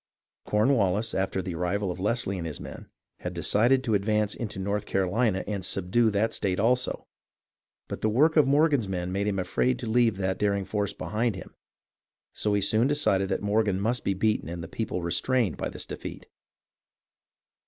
Cornwallis, after the arrival of Leslie and his men, had decided to advance into North Carolina and "subdue" that state also ; but the work of Morgan's men made him afraid to leave that daring force behind him, so he soon decided that Morgan must be beaten and the people restrained by his defeat.